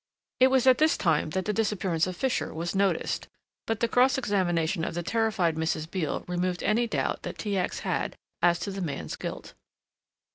It was at this time that the disappearance of Fisher was noticed, but the cross examination of the terrified Mrs. Beale removed any doubt that T. X. had as to the man's guilt.